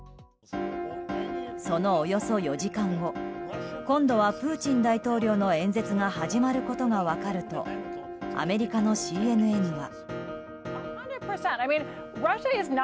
そのおよそ４時間後今度はプーチン大統領の演説が始まることが分かるとアメリカのＣＮＮは。